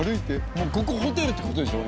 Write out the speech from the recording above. もうここホテルって事でしょ？